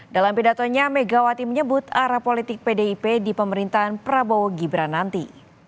dalam pidatonya megawati menyebut arah politik pdip di pemerintahan prabowo gibran nanti